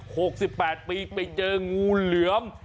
หกสิบแปดปีไปเจองูเหลือม